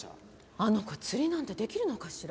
あの子釣りなんてできるのかしら？